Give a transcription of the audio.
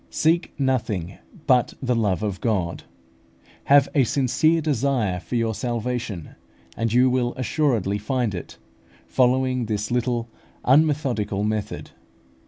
Seek nothing but the love of God; have a sincere desire for your salvation, and you will assuredly find it, following this little unmethodical method.